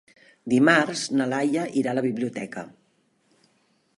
Dimarts na Laia irà a la biblioteca.